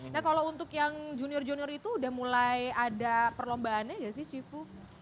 nah kalau untuk yang junior junior itu udah mulai ada perlombaannya gak sih shifu